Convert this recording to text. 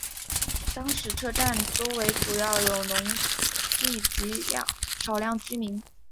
当时车站周围主要有农地及少量民居。